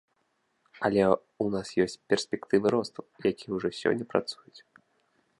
Але ў нас ёсць перспектывы росту, якія ўжо сёння працуюць.